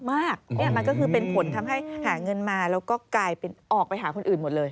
นี่มันก็คือเป็นผลทำให้หาเงินมาแล้วก็กลายเป็นออกไปหาคนอื่นหมดเลย